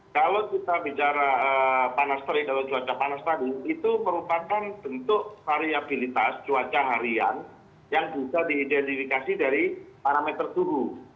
kalau kita bicara panas terik atau cuaca panas tadi itu merupakan bentuk variabilitas cuaca harian yang bisa diidentifikasi dari parameter suhu